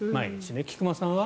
菊間さんは？